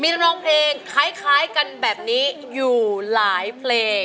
มีร้องเพลงคล้ายกันแบบนี้อยู่หลายเพลง